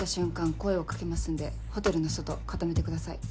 声を掛けますんでホテルの外固めてください。